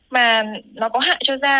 mà nó có hại cho da